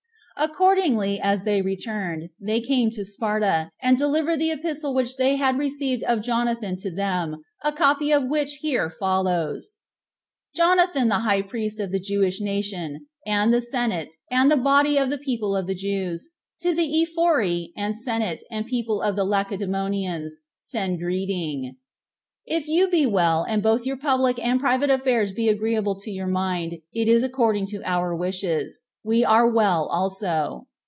Accordingly, as they returned, they came to Sparta, and delivered the epistle which they had received of Jonathan to them; a copy of which here follows: "Jonathan the high priest of the Jewish nation, and the senate, and body of the people of the Jews, to the ephori, and senate, and people of the Lacedemonians, send greeting. If you be well, and both your public and private affairs be agreeable to your mind, it is according to our wishes. We are well also.